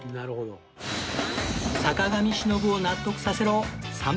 坂上忍を納得させろ３番勝負